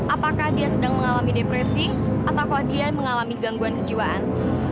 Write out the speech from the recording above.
apakah dia sedang mengalami depresi ataukah dia mengalami gangguan kejiwaan